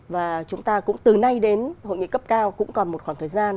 và chúng ta cũng từ nay đến hội nghị cấp cao cũng còn một khoảng thời gian